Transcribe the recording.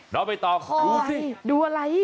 เราไปต่อดูสิดูอะไร